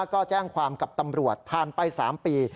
ก็แจ้งความกับตำรวจผ่านไป๓ปี